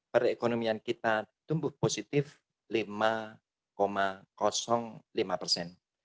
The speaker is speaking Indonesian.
perekonomian kita tumbuh positif lima lima persen